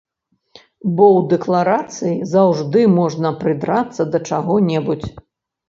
Бо ў дэкларацыі заўжды можна прыдрацца да чаго-небудзь.